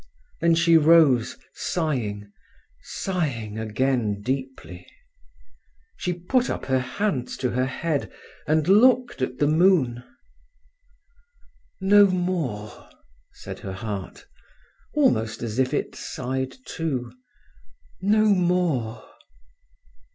Then she rose, sighing, sighing again deeply. She put up her hands to her head and looked at the moon. "No more," said her heart, almost as if it sighed too "no more!"